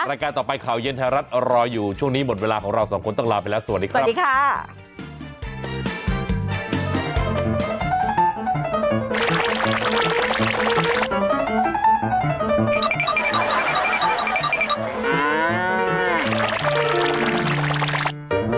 รายการต่อไปข่าวเย็นไทยรัฐรออยู่ช่วงนี้หมดเวลาของเราสองคนต้องลาไปแล้วสวัสดีครับสวัสดีค่ะ